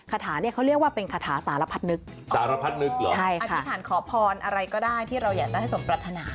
คาถาเนี่ยเขาเรียกว่าเป็นคาถาสารพัดนึกสารพัดนึกเหรอใช่อธิษฐานขอพรอะไรก็ได้ที่เราอยากจะให้สมปรัฐนา